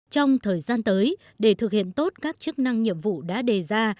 trong thời gian tới để thực hiện tốt các chức năng nhiệm vụ đã đề ra